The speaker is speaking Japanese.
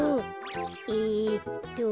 えっと。